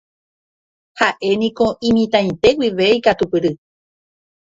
Ha'éniko imitãite guive ikatupyry.